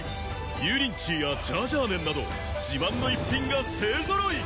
油淋鶏やジャージャー麺など自慢の逸品が勢揃い！